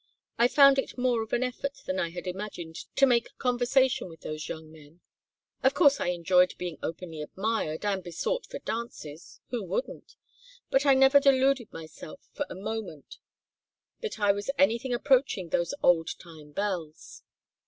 I found it more of an effort than I had imagined to make conversation with those young men. Of course I enjoyed being openly admired and besought for dances. Who wouldn't? But I never deluded myself for a moment that I was anything approaching those old time belles.